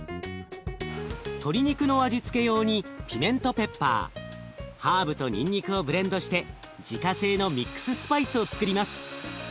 鶏肉の味付け用にピメントペッパーハーブとにんにくをブレンドして自家製のミックススパイスをつくります。